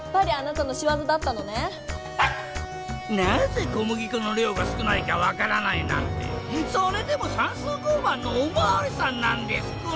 なぜこむぎこの量が少ないかわからないなんてそれでもさんすう交番のおまわりさんなんですか